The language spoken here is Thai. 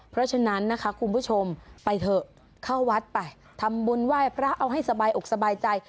เพราะฉะนั้นนะคะคุณผู้ชมไปเถอะเข้าวัดไปทำบุญไหว้พระเอาให้สบายอกสบายใจ